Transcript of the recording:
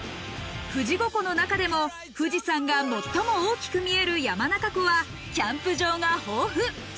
富士五湖の中でも富士山が最も大きく見える山中湖はキャンプ場が豊富。